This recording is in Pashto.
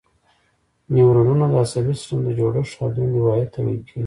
نیورونونه د عصبي سیستم د جوړښت او دندې واحد ته ویل کېږي.